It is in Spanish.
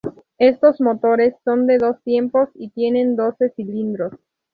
Estos motores son de dos tiempos y tienen doce cilindros.